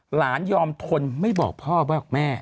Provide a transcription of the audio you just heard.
หลานยอมทนไม่บอกพ่อว่าแม่